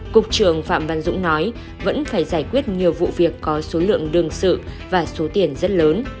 cục trưởng phạm văn dũng nói vẫn phải giải quyết nhiều vụ việc có số lượng đương sự và số tiền rất lớn